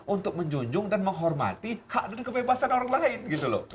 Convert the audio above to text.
untuk menjunjung dan menghormati hak dan kebebasan orang lain gitu loh